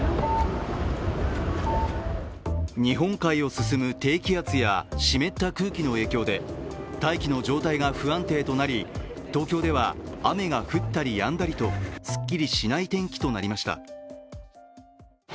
日本海を進む低気圧や湿った空気の影響で大気の状態が不安定となり、東京では雨が降ったりやんだりとすっきりしない天気となりました。